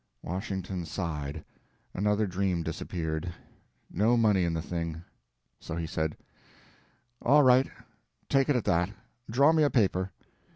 Washington sighed. Another dream disappeared; no money in the thing. So he said: "All right, take it at that. Draw me a paper."